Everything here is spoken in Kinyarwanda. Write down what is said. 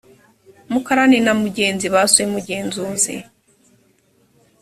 mukarani na mugenzi basuye mugenzuzi